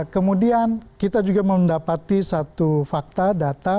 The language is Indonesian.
kemudian kita juga mendapati satu fakta data